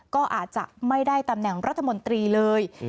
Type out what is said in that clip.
ก็อาจจะไม่ได้ตำแหน่งรัฐมนตรีเลย